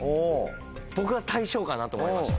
僕は大正かなと思いました。